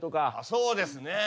そうですね。